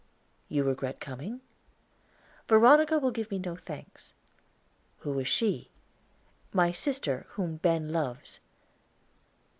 "You regret coming?" "Veronica will give me no thanks." "Who is she?" "My sister, whom Ben loves."